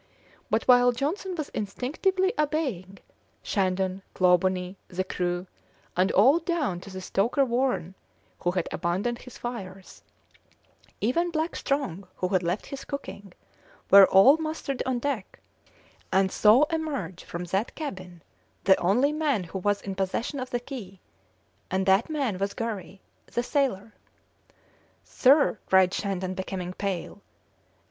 But while Johnson was instinctively obeying, Shandon, Clawbonny, the crew, and all down to the stoker Warren, who had abandoned his fires, even black Strong, who had left his cooking, were all mustered on deck, and saw emerge from that cabin the only man who was in possession of the key, and that man was Garry, the sailor. "Sir!" cried Shandon, becoming pale.